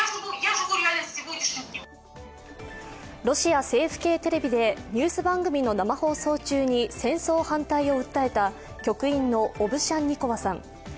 ロシア政府系テレビでニュース番組の生放送中に戦争反対を訴えた局員のオブシャンニコワさん。